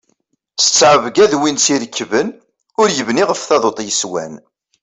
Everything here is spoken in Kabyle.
S ttɛebga d win tt-irekben, ur yebni ɣef taḍuṭ yeswan.